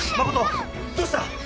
誠どうした？